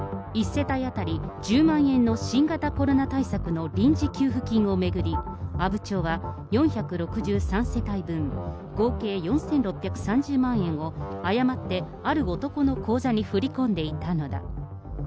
１世帯当たり１０万円の新型コロナ対策の臨時給付金を巡り、阿武町は４６３世帯分、合計４６３０万円を、誤ってある男の口座に振り込んでいたのだ。